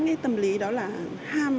cái tâm lý đó là ham